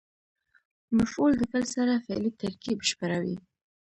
مفعول د فعل سره فعلي ترکیب بشپړوي.